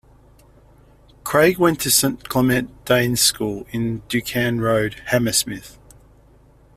Craig went to Saint Clement Danes School in DuCane Road, Hammersmith.